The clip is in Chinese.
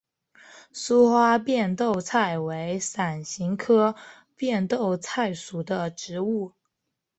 疏花变豆菜为伞形科变豆菜属的植物。